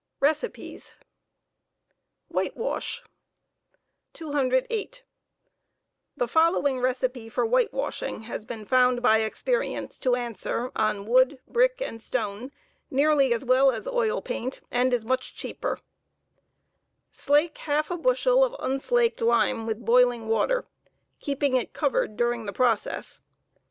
. RECIPES. WHITEWASH. 208. The following recipe for whitewashing has been found by experience to answer on wood, brick, and stone, nearly as well as oil paint, and is much cheaper: SlaTce half a bushel of unslaked lime with boiling water, keeping it covered dur ing the process.